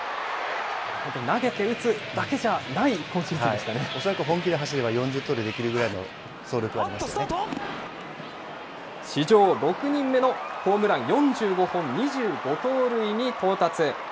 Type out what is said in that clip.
投げて打つだけじゃない今シーズ恐らく本気で走れば４０盗塁史上６人目のホームラン４５本、２５盗塁に到達。